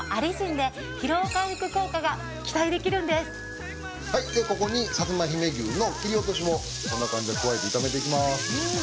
でここにさつま姫牛の切り落としをこんな感じで加えて炒めていきます。